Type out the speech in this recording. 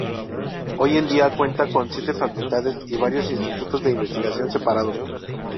Hoy en día, cuenta con siete facultades y varios institutos de investigación separados.